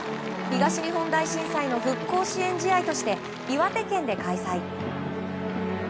東日本大震災の復興支援試合として岩手県で開催。